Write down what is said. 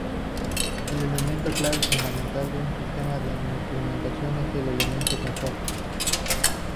El elemento clave fundamental de un sistema de instrumentación, es el elemento sensor.